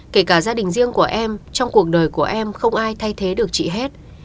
kể cả gia đình riêng của em trong cuộc đời của em không ai thay thế được chị hết